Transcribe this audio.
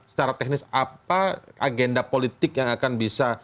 secara teknis apa agenda politik yang akan bisa